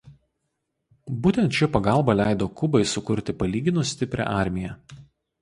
Būtent ši pagalba leido Kubai sukurti palyginus stiprią armiją.